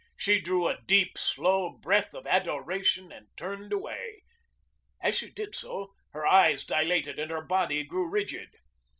She drew a deep, slow breath of adoration and turned away. As she did so her eyes dilated and her body grew rigid.